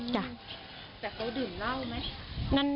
จ้ะแต่เขาดื่มเหล้าไหม